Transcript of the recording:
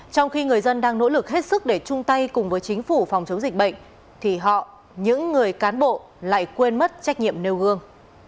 trong khi người dân đang nỗ lực hết sức để chung tay cùng với chính phủ phòng chống dịch bệnh thì họ những người cán bộ lại quên mất trách nhiệm nêu gương